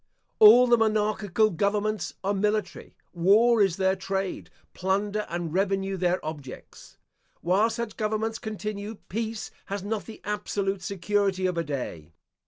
All the monarchical governments are military. War is their trade, plunder and revenue their objects. While such governments continue, peace has not the absolute security of a day.